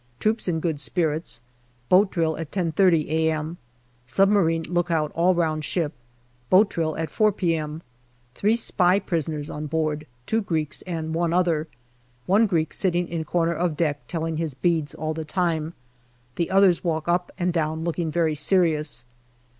Troops in good spirits. Boat drill at 10.30 a.m. Submarine lookout all round ship. Boat drill at 4 p.m. Three spy prisoners on board two Greeks and one other. One Greek sitting in corner of deck telling his beads all the time. The others walk up and down looking very serious.